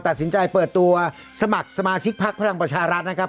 ตัดสินใจเปิดตัวสมัครสมาชิกพักพลังประชารัฐนะครับ